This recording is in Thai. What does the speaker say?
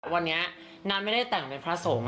วันนี้นานไม่ได้แต่งเป็นพระสงฆ์